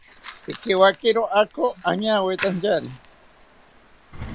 Pikiwakiro ako piñawetantyari